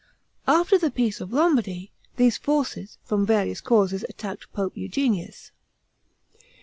After the peace of Lombardy, these forces, from various causes attacked Pope Eugenius.